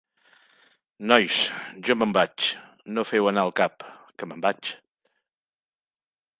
Nois, jo me'n vaig. No feu anar el cap, que me'n vaig